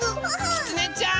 きつねちゃん！